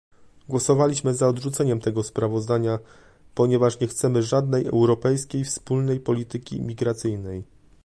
głosowaliśmy za odrzuceniem tego sprawozdania, ponieważ nie chcemy żadnej europejskiej wspólnej polityki imigracyjnej